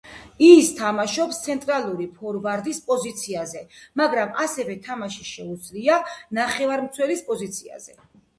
ის თამაშობს ცენტრალური ფორვარდის პოზიციაზე, მაგრამ ასევე თამაში შეუძლია ნახევარმცველის პოზიციაზე.